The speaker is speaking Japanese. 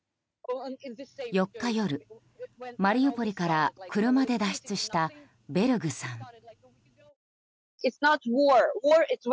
４日夜、マリウポリから車で脱出したベルグさん。